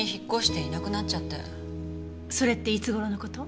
それっていつ頃の事？